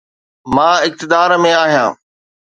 مان اقتدار ۾ آهيان.